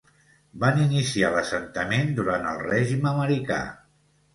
Van iniciar l'assentament durant el règim americà.